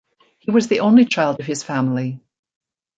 He was the only child of his family.